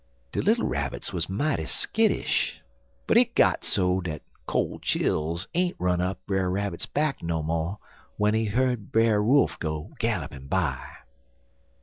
De little Rabbits was mighty skittish, but hit got so dat col' chills ain't run up Brer Rabbit's back no mo' w'en he heerd Brer Wolf go gallopin' by.